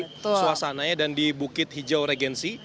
jadi suasananya dan di bukit hijau regensi